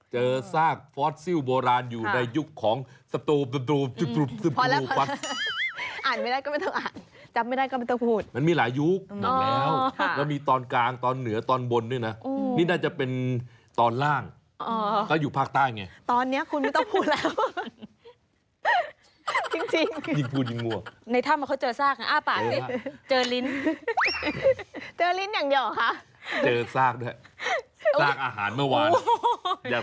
เจอสากฟอสซิลโบราณอยู่ในยุคของสตูปสตูปสตูปสตูปสตูปสตูปสตูปสตูปสตูปสตูปสตูปสตูปสตูปสตูปสตูปสตูปสตูปสตูปสตูปสตูปสตูปสตูปสตูปสตูปสตูปสตูปสตูปสตูปสตูปสตูปสตูปสตูปสตูปสตูปสตูปสตูปสตูปสตูปสตูป